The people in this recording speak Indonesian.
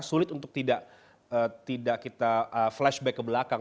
sulit untuk tidak kita flashback ke belakang